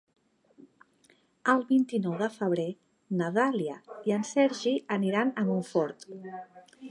El vint-i-nou de febrer na Dàlia i en Sergi aniran a Montfort.